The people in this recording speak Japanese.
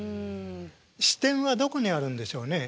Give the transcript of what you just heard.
視点はどこにあるんでしょうね。